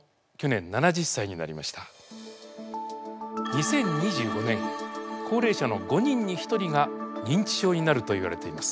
２０２５年高齢者の５人に１人が認知症になるといわれています。